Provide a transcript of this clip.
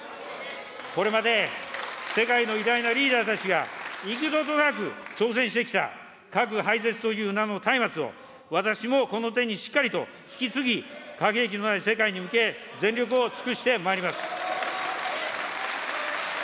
これまで世界の偉大なリーダーたちが幾度となく挑戦してきた核廃絶という名のたいまつを、私もこの手にしっかりと引き継ぎ、核兵器のない世界に向け、全力を尽くしてまいります。